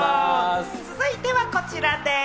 続いてはこちらです。